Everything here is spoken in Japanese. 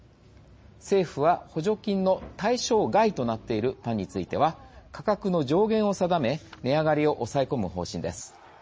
政府は、補助金の対象外となっているパンについては価格の上限を定め値上がりを抑え込む方針です。